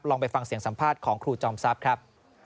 ไปฟังเสียงสัมภาษณ์ของครูจอมทรัพย์ครับ